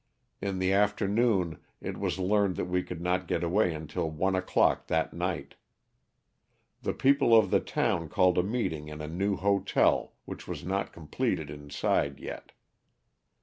In the after noon it was learned that we could not get away until one o'clock that night. The people of the town called a meeting in a new hotel, which was not completed in side yet.